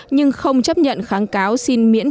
nhưng không chấp nhận kháng cáo xin miễn trị